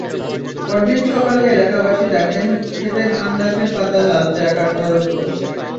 পরদিন সকালে এলাকাবাসী দেখেন খেতের ধানগাছের পাতা লালচে আকার ধারণ করেছে।